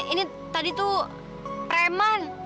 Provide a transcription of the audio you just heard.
ini tadi tuh preman